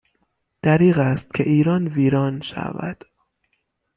دریغ است که ایران ویران شود